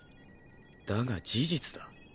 だが事実だ。